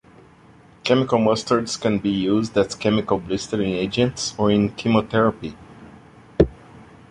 Chemical mustards can be used as chemical blistering agents or in chemotherapy.